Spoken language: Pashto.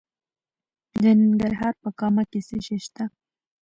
د ننګرهار په کامه کې څه شی شته؟